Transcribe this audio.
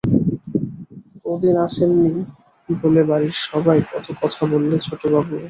কদিন আসেননি বলে বাড়ির সবাই কত কথা বললে ছোটবাবু।